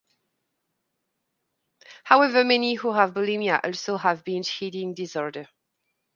However, many who have bulimia also have binge-eating disorder.